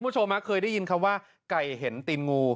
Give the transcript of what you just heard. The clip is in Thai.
คุณผู้ชมเคยได้ยินคำว่าไก่เห็นตีนงู